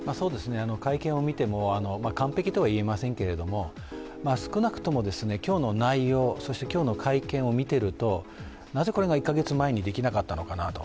会見を見ても完璧とは言えませんけれども、少なくとも今日の内容、そして今日の会見を見ていると、なぜこれが１か月前にできなかったのかなと。